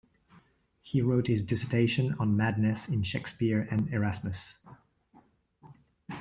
He wrote his dissertation on madness in Shakespeare and Erasmus.